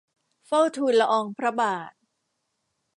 เฝ้าทูลละอองพระบาท